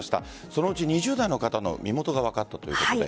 そのうち２０代の方の身元が分かったということで。